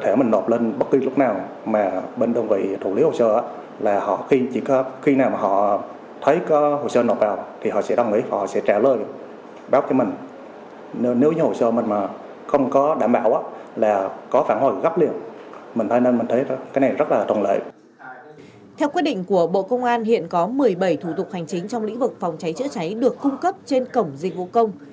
theo quyết định của bộ công an hiện có một mươi bảy thủ tục hành chính trong lĩnh vực phòng cháy chữa cháy được cung cấp trên cổng dịch vụ công